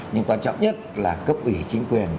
nhưng quan trọng nhất là cấp ủy chính quyền